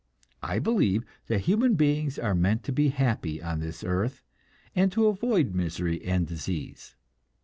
I believe that human beings are meant to be happy on this earth, and to avoid misery and disease.